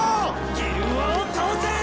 ギルモアを倒せ！